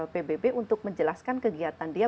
pbb untuk menjelaskan kegiatan dia